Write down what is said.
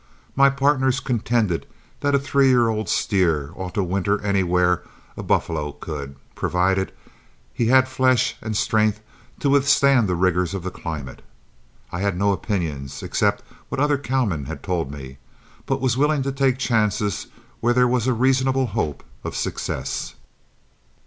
My partners contended that a three year old steer ought to winter anywhere a buffalo could, provided he had the flesh and strength to withstand the rigors of the climate. I had no opinions, except what other cowmen had told me, but was willing to take the chances where there was a reasonable hope of success.